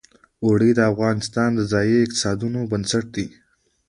اوړي د افغانستان د ځایي اقتصادونو بنسټ دی.